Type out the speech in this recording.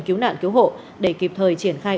cứu nạn cứu hộ để kịp thời triển khai